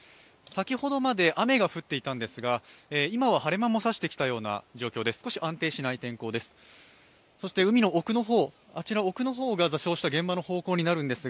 先ほどまで雨が降っていたのですが今は晴れ間も差してきたような状況で、少し安定しない天候です。